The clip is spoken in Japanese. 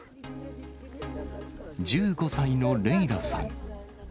１５歳のレイラさん。